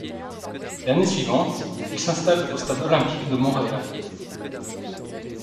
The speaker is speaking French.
L’année suivante, ils s’installent au Stade Olympique de Montréal.